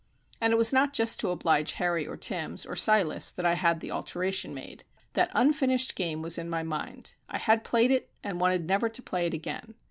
And it was not just to oblige Harry, or Timbs, or Silas that I had the alteration made. That unfinished game was in my mind; I had played it, and wanted never to play it again.